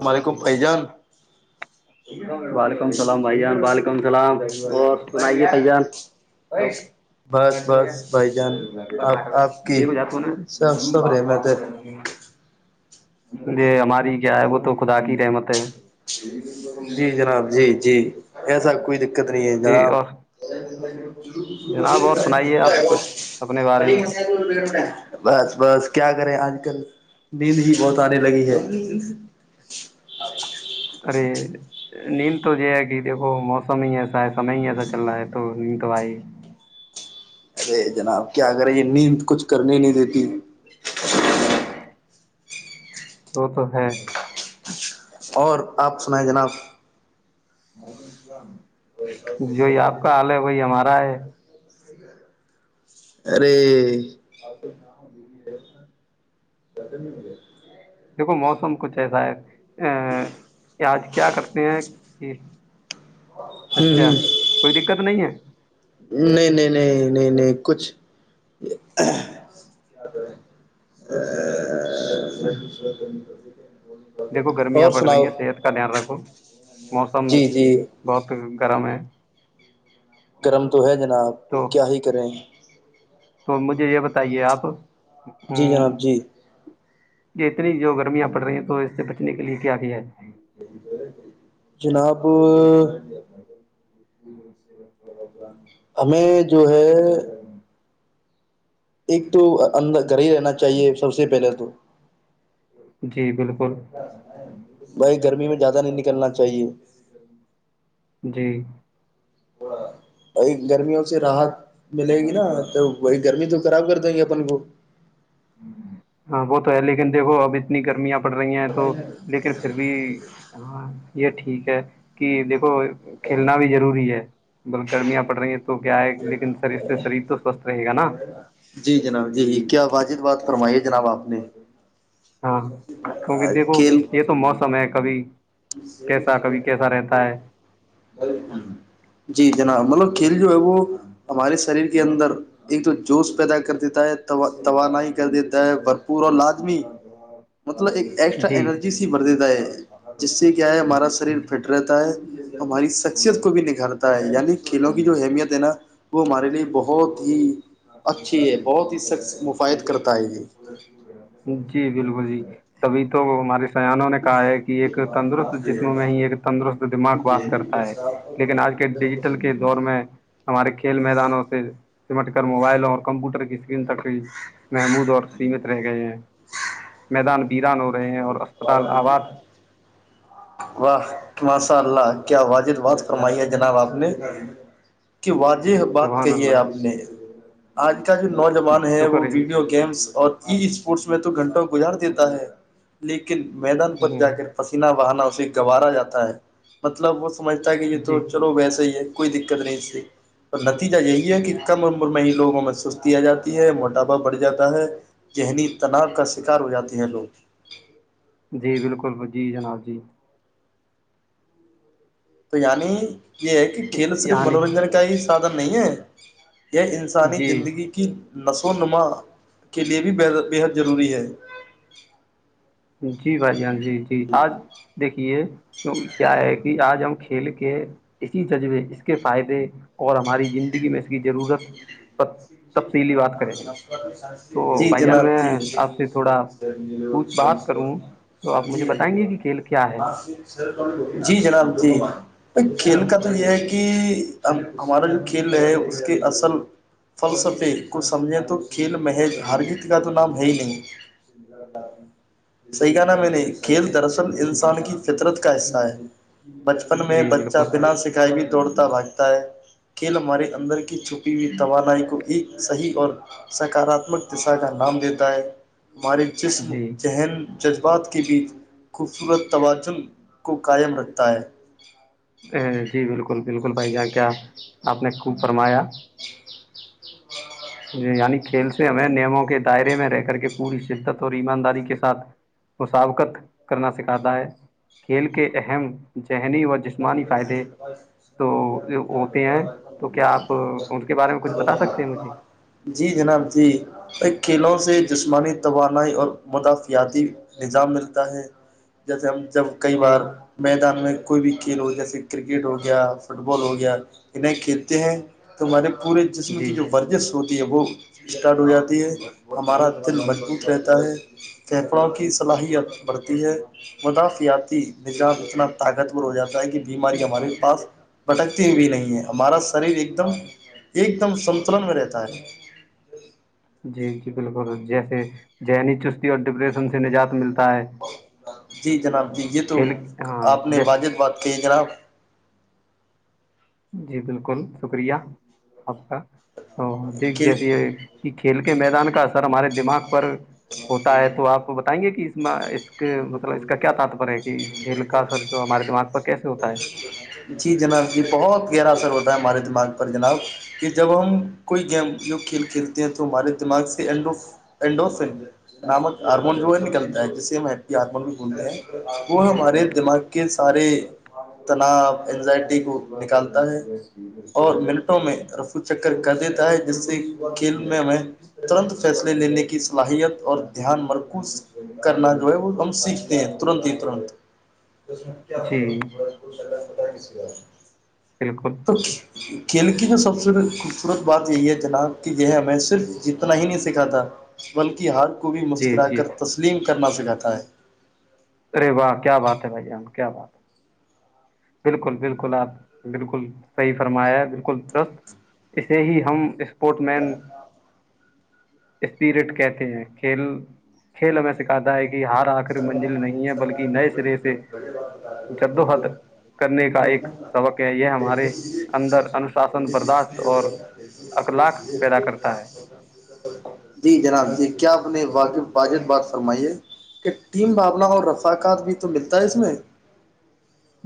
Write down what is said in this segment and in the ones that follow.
السلام علیکم بھائی جان وعلیکم اللام بھ جان وعلیکم السلام اور بس بس بھائی جان آپ آپ کی سب سب رحمت ہے [unintelligible] پ ج ے ہماری [unintelligible] کیا ہے وہ تو خدا کی رحمت ہے جی جناب جی جی ایسا کوئی دقت نہیں ہے جی جناب اور جناب اور سنائیے آپ کچھ اپنے بارے میں بس بس کیا کریں آج کل نیند ہی بہت آنے لگی ہے ارے نیند تو یہ ہے کہ دیکھو موسم ہی ایسا ہے سمے ہی ایسا چل رہا ہے تو نیند تو آئے ارے جناب کیا کرے یہ نیند کچھ کرنے نہیں دیتی [inaudible] وہ تو ہے اور آپ سنائ جناب اور [unintelligible] جوی آپ کا حال ہے وہی ہمارا رائے [inaudible] ارے اچ [inaudible] ست نہیں مے دیکھو موسم کچھ ایسا ہے ج آج کیا کرتے ہیں یہ ہ ہ اچھا کوئی دقت نہیں ہے نہیں نہیں نہیں نہیں نہیں کچھ دیکھو گرمیاں اور پڑھ رہی سناؤ ہیں صحت کا دھیان رکھو موسم جی جی بہت کر میں ہے کرم تو ہے جناب تو کیا ہی کریں تو مجھے یہ بتائیے آپ جی ہم، جناب جی یہ اتنی جو گرمیاں پڑ رہی ہیں تو اس سے بچنے کے لیے کیا کیا ہے جناب ہمیں جو ہے ایک تو اندر گھر ہی رہنا چاہیے سب سے پہلے تو جی بالکل بھائی گرمی میں زیادہ نہیں نکلنا چاہیے جی جی وہی گرمیوں سے راحت ملے گی نا تو وہی گرمی تو خراب کر دیں گے اپن کو وہ تو ہے لیکن دیکھو اب اتنی گرمیںب پڑ رہی ہیں تو لیکن پھر بھی ہاں یہ ٹھیک ہے کہ دیکھو کھیلنا بھی ضروری ہے بس گرمیاں پڑ رہی ہیں تو کیا ہے لیکن سر اس سے شریر تو سوستھ رہے گا نا جی جناب جی کیا واجد بات فرمائیے جناب آپ نے ہاں کیونکہ دیکھو کھیل یہ تو موسم ہے کبھی کیسا کبھی کیسا رہتا ہے بل ہوں [unintelligible] جی جناب مطلب ک جو ہے وہ ہمارے سریر کے اندر ایک تو جوس پیدا کر دیتا ہے توانائی کر دیتا ہے بھرپور اور لازمی مطلب ایک ایکسٹرا جی انرجی س بھر دیتا ہے جس سے کیا ہے ہمارا س جی سریر جی فٹ رہتا ہے ہماری شخصیت کو بھی نکھارتا ہے یعنی کھیلوں کی جو اہمیت ہے نا وہ ہمارے لیے بہت ہی اچھی ہے بہت ہی مفائد کرتا ہے یہ جی بالکل جی تبھی تو ہمارے سیانوں نے کہا ہے کہ ایک تندرست جسم میں ہی ایک تندرست دماغ واس کرتا ہے لیکن آج کے ڈیجیٹل کے دور میں ہمارے کھیل میدانوں سے سمٹ کر موبائلوں اور کمپیوٹر کی اسکرین تک بھی محمود اور سیمت رہ گئے ہیں میدان ویران ہو رہے ہیں اور اسپتال آباد واہ ماساء اللہ کیا واجد فرمائی ہے جناب آپ نے کہ واضح بات سبحان کہی ہے اللہ آپ نے آج کا جو جی نوجوان ہے شکر وہ ویڈیو گیمس اور ای اسپورٹس میں تو گنٹوں گجھڑ دیتا ہے لیکن میدان پر جا ہ کر پسیینہ بہانا اس جاتا ہے مطلب وہ سب سمجھتا ہے کہ یہ جی تو چلو ویسے ہی ہے کوئی دقت نہیں اور نتیجہ یہی ہے کہ کم عمر میں ہی لوگوں میں سستی آ جاتی ہے موٹاپا بڑھ جاتا ہے ذہنی تناؤ کا سکار ہو جاتے ہیں لوگ جی بالکل جی جناب جی تو یعنی یہ ہے کہ کھیل صرف یعنی منورنجن کا ہی سادھن نہیں ہے جچ [unintelligible] یہ انسانی جی زندگی کی نسل تو نما کے لیے بھی ب بےحد ضروری ہے جی بھائی جان جی جی آج دیکھیے کیا ہے کہ آج ہم کھیل کے اسی جذبے اس کے فائدے اور ہماری زندگی میں اس کی ضرورت تب سے یلی بات کریں گے تو جی بھائی جان جناب میں آپ سے تھوڑا پوچھ ج بات کروں تو آپ مجھے بتائیں گے کہ کھیل کیا ہے جی جناب جی کھیل کا تو یہ ہے کہ ہمارا جو کھیل ہے اس کے اصل فلسفے کو سمجھیں تو کھیل محض ہرجیت کا تو نام ہے ہی نہیں سی گ نا میں نے کھیل دراصل جی انسان کی فطرت کا حصہ ہے بچپن میں جی بچہ بالکل بنا سکھائی بھی توڑتا بھاگتا ہے کھیل ہمارے اندر کی چھپی ہوئی توانائی کو ایک صحیح اور سکاراتمک دشا کا نام دیتا ہے ہمارے جسم جی چذہن جذبات کے بیچ خوبصورت توجن کو قائم رکھتا ہے ا جی بالکل بالکل بھائی جان کیا آپ نے خوب فرمایا یعنی کھیل سے ہمیں نیموں کے دائرے میں رہ کر کے پوری شدت اور ایمانداری کے ساتھ مسابقت کرنا سکھاتا ہے کھیل کے اہم ذہنی و جسمانی فائدے تو ہوتے ہیں تو کیا آپ اس کے بارے میں کچھ بتا سکتے ہیں مجھے جی جناب جی ایک کھیلوں سے جسمانی توانائی اور مدافعتی نظام ملتا ہے جیسے ہم جب کئی جی بار میدان میں کوئی بھی کھیل ہو جیسے کرکٹ ہو گیا فٹ بال ہو گیا انہیں کھیلتے ہیں تو ہمارے پورے جسم کی جی جو ورزش ہوتی ہے وہ اسٹارٹ ہو جاتی ہے ہمارا دل مضبوط رہتا ہے پھیپڑوں کی صلاحیت بڑھتی ہے مدخ آتی نجات اتنا ور ہو جا ہے کہ بیمارییاں ہم پاس بھٹکتی بھی نہیں ہے ہمارا شریر ایک دم ایک دم سنتلن میں رہتا ہے جی جی بالکل جیسے ذہنی چستی اور ڈپریشن سے نجات ملتا ہے جی جناب دیے تو کھیل ہاں آپ نے جیسے واجب بات کی ہے جناب جی بالکل شکریہ آپ کا ا دیکھ کھیل جیسے یہ کہ کھیل کے میدان کا اثر ہمارے دماغ پر ہوتا ہے تو آپ بتائیں گے کہ اس اس مطلب اس کا کیا تتپر ہے کہ کھیل کا اثر جو ہمارے دماغ پر کیسے ہوتا ہے جی جناب یہ بہت گہرا اثر ہوتا ہے ہمارے دماغ پر جناب کہ جب ہم کوئی گیم جو کھیل کھیلتے ہیں تو ہمارے دماغ سے اینڈوف نامک ہارمون جو ہے نکلتا ہے جس سے ہم ہیی ہارمون بھی بھولتے ہیں وہ ہمارے دماغ کے سارے تناؤ ازائٹی کو نکالتا ہے اور منٹوں میں رفو چکر کر دیتا ہے جس سے کھیل میں ہمیں ترت فیصلے لینے کی صلاحیت اور دان مرکس کرنا جو ہے وہ ہم سیکھتے ہیں تنت ہی تنت جی بالکل توک کلکی کے سب سے ت بات یہی ہے جناب کہ یہ ہے ہمیں صرف جتنا ہی نہیں سکھا تھا بلکہ ہال کو بھی جی مسکرا جی کر تسلیم کر کرنا سکھاتا ہے ارے واہ کیا بات ہے بھائی ہم کیا بات ہے بالکل بالکل آپ بالکل صحیح فرمایا ہے بالکل درست اسے ہی ہم اس اسپورٹ مین اسپیرٹ کہتے ہیں کھیل کھیل ہمیں سکھاتا ہے کہ ہار آخر منزل نہیں ہے بلکہ نئے سرے سے جدوہد کرنے کا ایک سبق ہے یہ ہمارے اندر انوشاسن برداشت اور اخلاق پیدا کرتا ہے جی جناب [unintelligible] ج کیا اپنے واقی واجد بات فرمائیے کت [inaudible] ٹیم بھاابلہ اور رفقات بھی تو ملتا ہے اس میں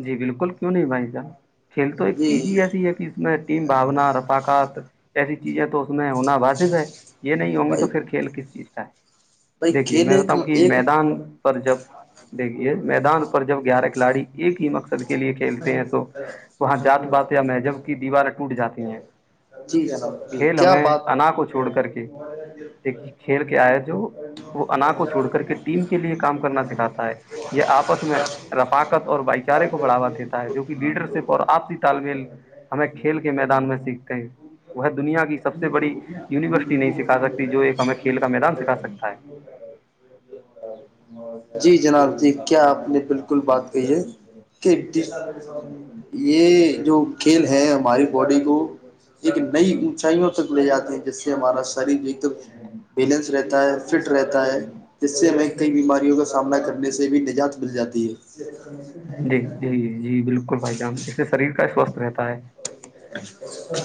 جی بالکل کیوں نہیں بھائی جان کھیل تو ایک جی چیز ہی ایسی ہے کہ اس میں ٹیم بھانا رفقات ایسی چیزیں تو اس میں ہونا واسک ہے یہ نہیں ہوں گی بھائی تو پھر کھیل کس چیز ہچھ [unintelligible] بھائی دیکھیے کھیل میں ایک بتاؤ کہ ایک میدان پر جب دیکھیے میدان پر جب گیارہ کھلاڑی ایک ہی مقصد لیے کھیلتے ہیں تو وہاں جات بات یا مب کی دیواریں ٹوٹ جاتی ہیں جی جناب جی کھیل کیا ہمیں بات ان کو چھوڑ کر کے ایک کھیل کیا آئے جو وہ انا کو چھوڑ کر کے ٹیم کے لیے کام کرنا سکھاتا ہے یہ آپس میں رفااک [unintelligible] اور بھائی چارے کو بڑھا دیتا ہے جو کہ لیڈر شپ اور آپسی تالمل ہمیں کھیل کے میدان میں سیکھتے ہیں وہ دنیا کی سب سے بڑی یونیورسٹی نہیں سکھا سکتی جو ایک ہمیں کھیل کا میدان سکھا سکتا ہے جی جناب جی کیا آپ نے بالکل بات کہ یہ جو کھیل ہے ہماری باڈی کو ایک نئی اون اونچائیوں تک لے جاتے ہیں جس سے ہمارا شریر بھی ایک دم بیلنس رہتا ہے فٹ رہتا ہے جس سے ہمیں کئی بیماریوں کا سامنا کرنے سے بھی نجات مل جاتی ہے جی جی جی بالکل بھائی جام اس سے شریر کا سوست رہتا ہے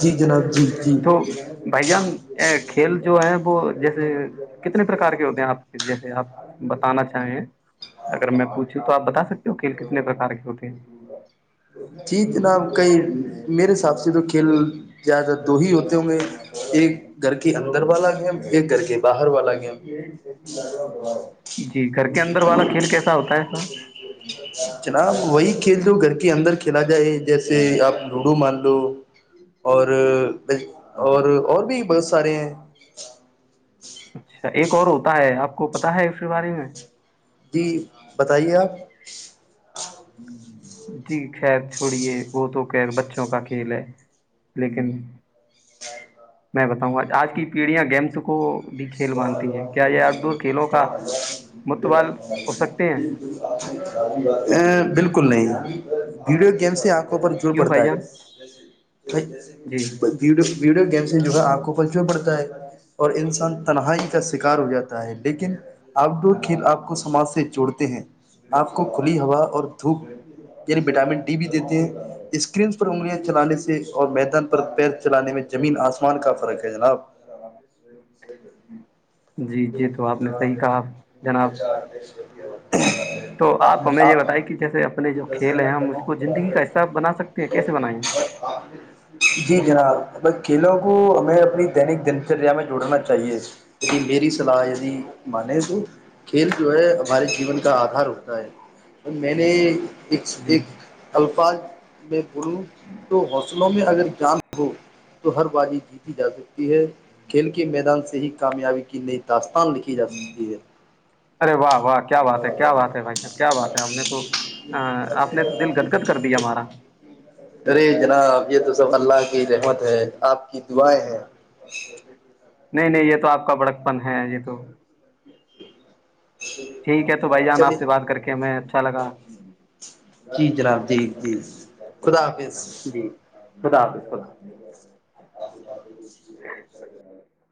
جی جناب جی جی تو بھائی جان کھیل جو ہے وہ جیسے کتنے پرکار کے ہوتے ہیں آپ کے جیسے آپ بتانا چاہیں اگر میں پوچھوں تو آپ بتا سکتے ہو کھیل کتنے پرکار کے ہوتے ہیں جی جناب کئی میرے حساب سے تو کھیل زیادہ دو ہی ہوتے ہوں گے ایک گھر کے اندر والا گیم ایک گھر کے باہر والا گیم گھر کے اندر والا کھیل کیسا ہوتا ہے سر [unintelligible] جناب وہی کھیل جو گھر کے اندر کھیلا جائے جیسے آپ لوڈو مان لو اور اور اور بھی بہت سارے ہیں اچھا ایک اور ہوتا ہے آپ کو پتا ہے اس کے بارے میں جی بتائیے آپ ہ جی خیر چھوڑیے وہ تو خیر بچوں کا کھیل ہے لیکن میں بتاؤں گا آج کی پیڑھیاں گیمس کو بھی کھیل ا مانتی ہیں کیا یہ آؤٹ ڈور کھیلوں کا متبال ہو سکتے ہیں بالکل نہیں ویڈیو گیمس ہیں آپ پر جڑ کیوں بھائی پڑتا ہے جان جی ویڈیو ویڈی گیمس سے جو ہےپ کو کلچو پڑتا اور انسان کا شکار ہو جاتا ہے لیکن آؤٹ ڈور کھیل آپ کو سماج سے جوڑتے ہیں آپ کو کھلی ہوا اور دھوپ یعنی وٹامن ڈی بھی دیتے ہیں اسکرین پر انگلیاں چلانے سے اور میدان پر پیر چلانے میں جمین آسمان کا فرق ہے جناب جی ج جی تو آپ نے چار صحیح کہا ان جناب چار تو آپ ہمیں یہ بتے کہ جیسے اپنے جو کھیل ہیں ہم اس کو زندگی کا آپ حصہ بنا سکتے ہیں کیسے بنائیں گے جی جناب کھیلوں کو ہمیں اپنی دینک دنچریا میں جوڑنا چاہیے ہ میری س چلا مان تو کھیل جو ہے ہمارے جیون کا آدھار ہوتا ہے اور میں نے ایک جی ایک الفاظ ج ب تو حوصلوں میں اگر جان ہو تو ہر بازی جیتی جا سکتی ہے کھیل کے میدان سے ہی کامیابی کی نہیں دست ارے واہ واہ کیا بات ہے کیا بات ہے بھائی صاحب کیا بات ہے ہم نے تو آپ نے تو دل گدگد کر دیا ہمارا ارے جناب یہ تو سب اللہ کی رحمت ہے آپ کی دعائیں ہے نہیں نہیں یہ تو آپ کا بڑک پن ہے یہ تو ٹھیک ہے تو بھائی جان آپ چلیے سے بات کر کے ہمیں اچھا لگا جی جناب ج جی خدا حافظ خدافظ خدافظ آپ آ